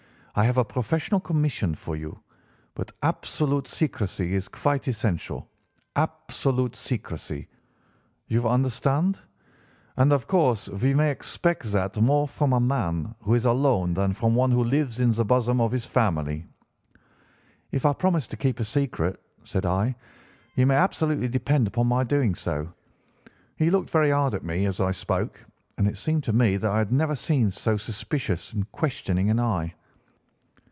I have a professional commission for you, but absolute secrecy is quite essential—absolute secrecy, you understand, and of course we may expect that more from a man who is alone than from one who lives in the bosom of his family.' "'If I promise to keep a secret,' said I, 'you may absolutely depend upon my doing so.' "He looked very hard at me as I spoke, and it seemed to me that I had never seen so suspicious and questioning an eye.